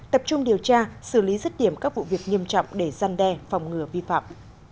tập trung điều tra xử lý rứt điểm các vụ việc nghiêm trọng để gian đe phòng ngừa vi phạm